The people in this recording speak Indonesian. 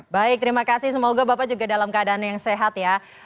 baik terima kasih semoga bapak juga dalam keadaan yang sehat ya